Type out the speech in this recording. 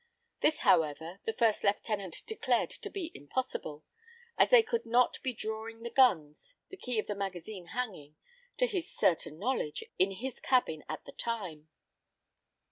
This, however, the first lieutenant declared to be impossible, as they could not be drawing the guns, the key of the magazine hanging, to his certain knowledge, in his cabin at the time.